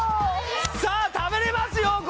さあ食べれますよ